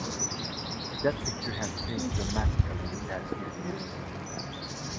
That picture has changed dramatically in the past few years.